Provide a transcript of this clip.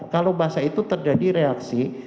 kalau bahasa itu terjadi reaksi